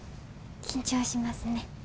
緊張しますね。